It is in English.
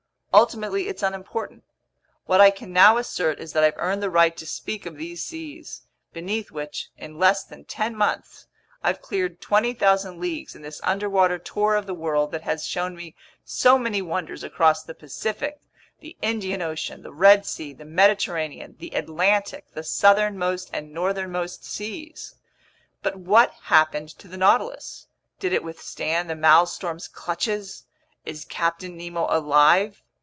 Ultimately it's unimportant. What I can now assert is that I've earned the right to speak of these seas, beneath which in less than ten months, I've cleared 20,000 leagues in this underwater tour of the world that has shown me so many wonders across the Pacific, the Indian Ocean, the Red Sea, the Mediterranean, the Atlantic, the southernmost and northernmost seas! But what happened to the Nautilus? Did it withstand the Maelstrom's clutches? Is Captain Nemo alive?